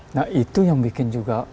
nah itu yang bikin juga